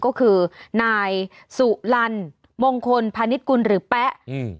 ก็คือนายสุลันมงคลพาณิชยกุลหรือแป๊ะอืม